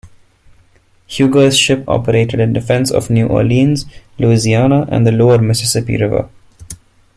Huger's ship operated in defense of New Orleans, Louisiana and the lower Mississippi River.